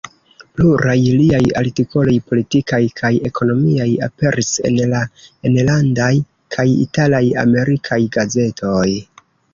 Pluraj liaj artikoloj politikaj kaj ekonomiaj aperis en la enlandaj kaj italaj, amerikaj gazetoj.